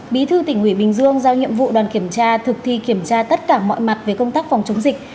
bí thư tỉnh ủy bình dương giao nhiệm vụ đoàn kiểm tra thực thi kiểm tra tất cả mọi mặt về công tác phòng chống dịch